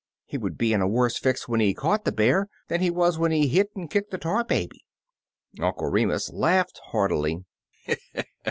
He would be in a worse fix when he caught the bear than he was when he hit and kicked the tar baby." Uncle Remus laughed heartily.